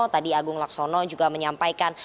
tadi agung laksono juga menyampaikan